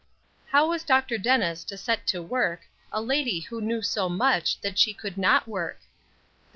How was Dr. Dennis to set to work a lady who knew so much that she could not work?